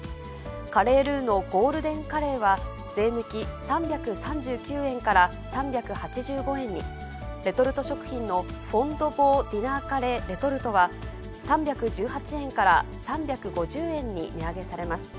カレールウのゴールデンカレーは、税抜き３３９円から３８５円に、レトルト食品のフォン・ド・ボーディナーカレーレトルトは、３１８円から３５０円に値上げされます。